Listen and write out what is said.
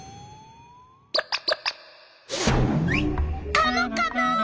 カモカモ！